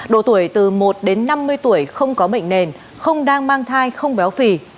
độ tuổi từ một đến năm mươi tuổi không có bệnh nền không đang mang thai không béo phì